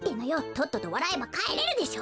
とっととわらえばかえれるでしょ！